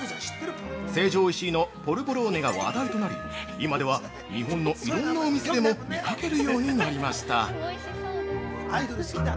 成城石井のポルボローネが話題となり今では、日本のいろんなお店でも見かけるようになりました。